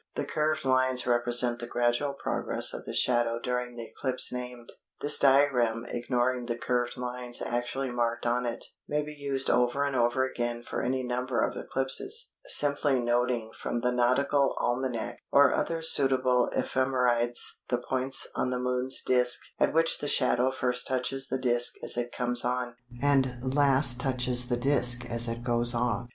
The curved lines represent the gradual progress of the shadow during the eclipse named. This diagram, ignoring the curved lines actually marked on it, may be used over and over again for any number of eclipses, simply noting from the Nautical Almanac or other suitable ephemerides the points on the Moon's disc at which the shadow first touches the disc as it comes on, and last touches the disc as it goes off.